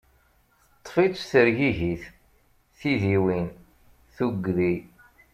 Teṭṭef-itt tergigit, tidiwin, tugdi.